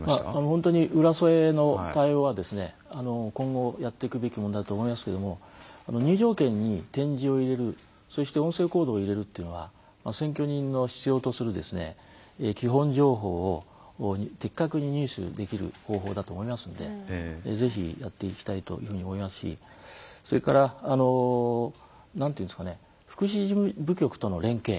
本当に浦添の対応は今後やっていくべきものだと思いますけど入場券に点字を入れるそして音声コードを入れるというのは選挙人の必要とする基本情報を的確に入手できる方法だと思いますのでぜひやっていきたいというふうに思いますしそれから、福祉部局との連携。